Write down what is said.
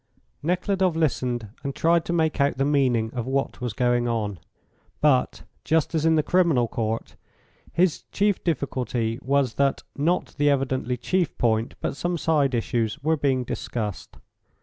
Nekhludoff listened and tried to make out the meaning of what was going on; but, just as in the Criminal Court, his chief difficulty was that not the evidently chief point, but some side issues, were being discussed.